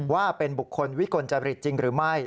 ว่าเป็นบุคคลวิกลจริตจริงหรือไม่